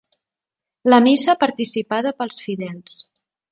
La missa participada pels fidels.